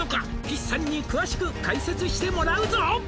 「岸さんに詳しく解説してもらうぞ！」